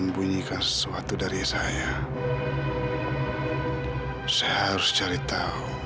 apa kamu benar benar anak saya